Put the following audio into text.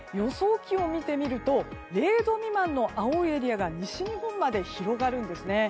気温を見てみると０度未満の青いエリアが西日本まで広がるんですね。